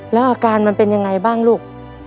แล้วอาการมันเป็นยังไงบ้างลูก